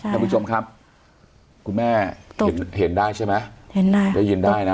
ท่านผู้ชมครับคุณแม่เห็นเห็นได้ใช่ไหมเห็นได้ได้ยินได้นะ